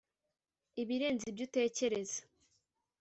ibirenze ibyo utekereza.